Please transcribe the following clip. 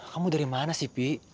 kamu dari mana sih pi